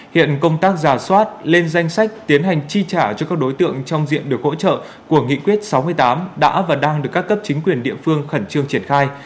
hiện công tác giả soát lên danh sách tiến hành chi trả cho các đối tượng trong diện được hỗ trợ của nghị quyết sáu mươi tám đã và đang được các cấp chính quyền địa phương khẩn trương triển khai